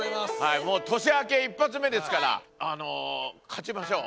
年明け一発目ですからあの勝ちましょう。